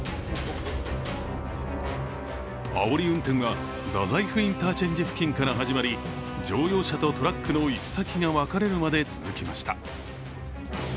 あおり運転は太宰府インターチェンジ付近から始まり乗用車とトラックの行き先が分かれるまで続きました。